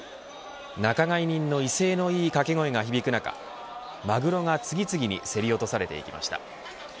仲買人の威勢のいい掛け声が響く中マグロが次々に競り落とされていきました。